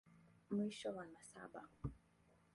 Mwisho wa nasaba.